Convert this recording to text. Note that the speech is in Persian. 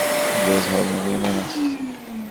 اینجا اظهارنامه من است.